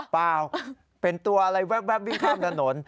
เปล่าเป็นตัวอะไรแว๊บวิ่งข้ามถนน